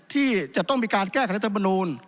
ที่จะต้องมีการแก้คณะจำนวน